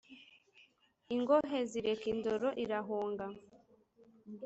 ingohe zireka indoro irahonga